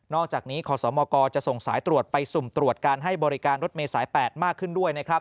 อกจากนี้ขอสมกจะส่งสายตรวจไปสุ่มตรวจการให้บริการรถเมย์สาย๘มากขึ้นด้วยนะครับ